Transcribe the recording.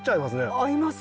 合います。